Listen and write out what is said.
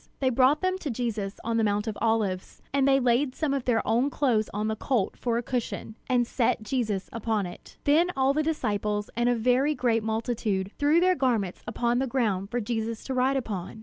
They brought them to Jesus on the Mount of Olives; and they laid some of their own clothes on the colt for a cushion, and set Jesus upon it. Then all the disciples and a very great multitude threw their garments upon the ground for Jesus to ride upon.